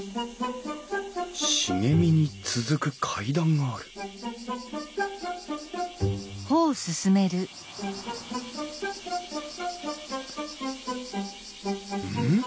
茂みに続く階段があるうん？